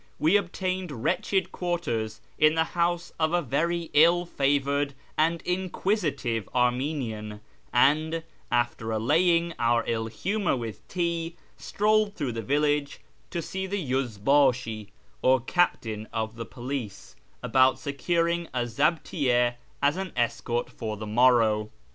We obtained wretched quarters in the house of a very ill favoured and inquisitive Armenian, and, after allaying our ill humour with tea, strolled through the village to see the yuz hdslii, or captain of the police, about securing a zaUiyye as an escort for the morrow.